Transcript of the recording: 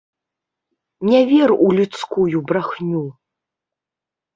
Не вер у людскую брахню!